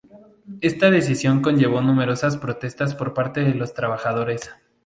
Esta decisión conllevó numerosas protestas por parte de los trabajadores.